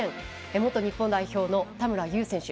元日本代表の田村優選手